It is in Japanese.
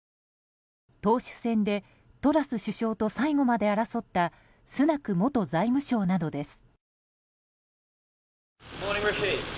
党首選でトラス首相と最後まで争ったスナク元財務相などです。